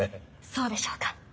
そうでしょうか。